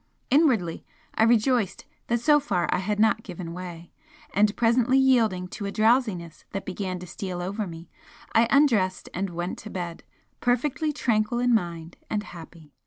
Inwardly I rejoiced that so far I had not given way, and presently yielding to a drowsiness that began to steal over me, I undressed and went to bed, perfectly tranquil in mind and happy.